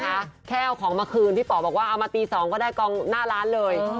แค่เอาของมาคืนพี่ป๋อบอกว่าเอามาตี๒ก็ได้กองหน้าร้านเลย